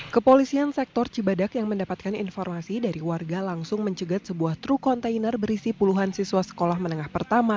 kepolisian sektor cibadak yang mendapatkan informasi dari warga langsung mencegat sebuah truk kontainer berisi puluhan siswa sekolah menengah pertama